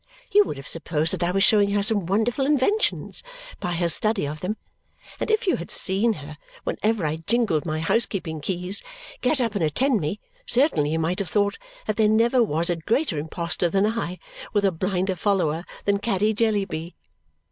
You would have supposed that I was showing her some wonderful inventions, by her study of them; and if you had seen her, whenever I jingled my housekeeping keys, get up and attend me, certainly you might have thought that there never was a greater imposter than I with a blinder follower than Caddy Jellyby.